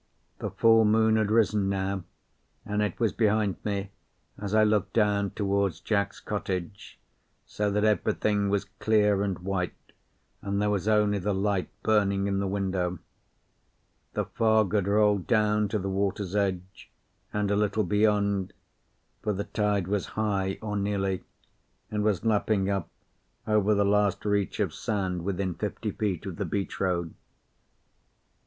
The full moon had risen now, and it was behind me as I looked down toward Jack's cottage, so that everything was clear and white, and there was only the light burning in the window. The fog had rolled down to the water's edge, and a little beyond, for the tide was high, or nearly, and was lapping up over the last reach of sand within fifty feet of the beach road.